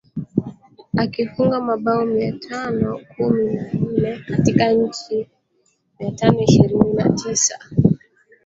akifunga mabao mia tano kumi na nne katika mechi mia tano ishirini na tisa